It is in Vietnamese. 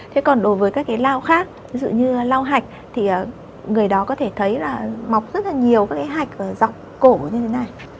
thế còn đối với các cái lao khác ví dụ như lau hạch thì người đó có thể thấy là mọc rất là nhiều các cái hạch ở dọc cổ như thế này